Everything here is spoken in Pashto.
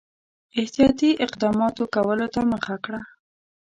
احتیاطي اقداماتو کولو ته مخه کړه.